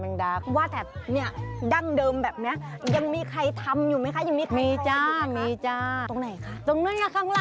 งั้นเอาแพงกว่านี้ผืนไหนคะ